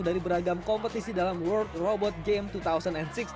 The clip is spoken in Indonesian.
dari beragam kompetisi dalam world robot game dua ribu enam belas